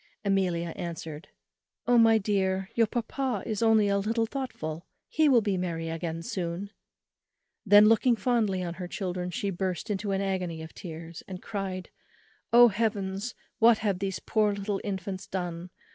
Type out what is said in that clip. Amelia answered, "Oh! my dear, your papa is only a little thoughtful, he will be merry again soon." Then looking fondly on her children, she burst into an agony of tears, and cried, "Oh Heavens; what have these poor little infants done?